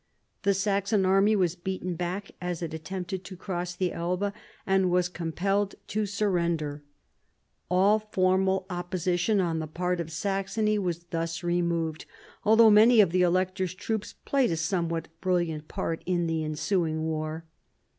The Saxon army was beaten back as it attempted to cross the Elbe, and was compelled to surrender. All formal 124 MARIA THERESA ohap. vi opposition on the part of Saxony was thus removed, although many of the Elector's troops played a some what brilliant part in the ensuing war.